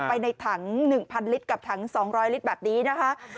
ไปในถัง๑๐๐ลิตรกับถัง๒๐๐ลิตรแบบนี้นะคะ